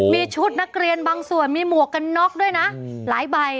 มีชุดนักเรียนบางส่วนมีหมวกกันน็อกด้วยนะหลายใบ